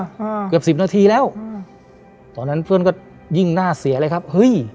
อ่าเกือบสิบนาทีแล้วอืมตอนนั้นเพื่อนก็ยิ่งน่าเสียเลยครับเฮ้ย